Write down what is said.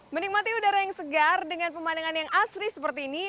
menikmati udara yang segar dengan pemandangan yang asri seperti ini